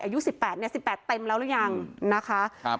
อายุ๑๘เนี่ย๑๘เต็มแล้วหรือยังนะคะ